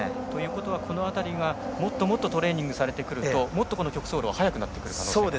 この辺りがもっとトレーニングされてくるともっと曲走路が速くなる可能性があると。